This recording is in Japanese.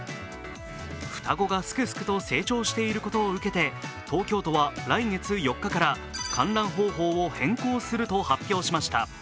双子がすくすくと成長していることを受けて、東京都は来月４日から観覧方法を変更すると発表しました。